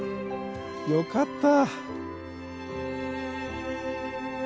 よかった。